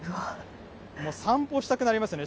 散歩したくなりますよね。